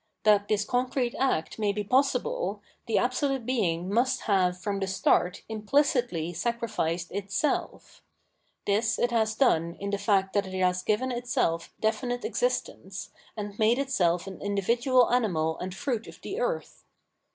That this concrete act may be possible, the absolute Being must have from the start implicitly sacrificed itself. This it has done in the fact that it has given itself definite existence, and made itself an individual animal and fruit of the earth.